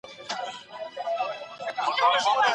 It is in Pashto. نږدې دوستان له دې پرېکړې بې خبره نه دي.